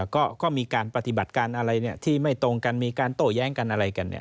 ก็มีการปฏิบัติการอะไรที่ไม่ตรงกันมีการโต้แย้งกันอะไรกัน